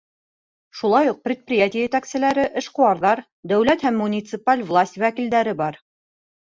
Шулай уҡ предприятие етәкселәре, эшҡыуарҙар, дәүләт һәм муниципаль власть вәкилдәре бар.